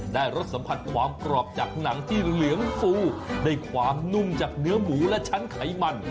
รสสัมผัสความกรอบจากหนังที่เหลืองฟูได้ความนุ่มจากเนื้อหมูและชั้นไขมัน